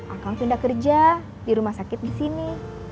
akan pindah kerja di rumah sakit di sini